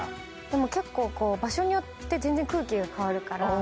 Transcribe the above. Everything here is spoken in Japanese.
でも結構場所によって全然空気が変わるから。